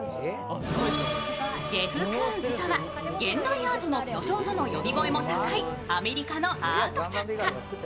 ジェフ・クーンズとは、現代アートの巨匠との呼び声も高いアメリカのアート作家。